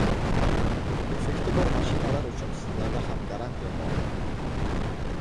Defekti bor mashinalar uchun sizlarda ham garantiya bormi?